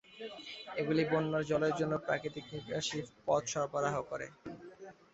এগুলি বন্যার জলের জন্য প্রাকৃতিক নিকাশী পথ সরবরাহ করে।